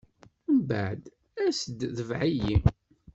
Mbeɛd as-d, tebɛ-iyi.